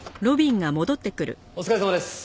お疲れさまです。